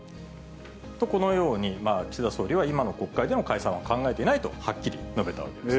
と、このように、岸田総理は今の国会での解散は考えていないとはっきり述べたわけです。